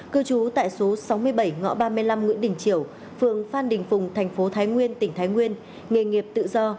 cư trú tại số sáu mươi bảy ngõ ba mươi năm nguyễn đình triều phường phan đình phùng thành phố thái nguyên tỉnh thái nguyên nghề nghiệp tự do